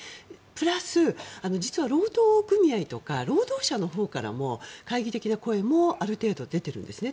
プラス、実は労働組合とか労働者のほうからも懐疑的な声もある程度は出ているんですね。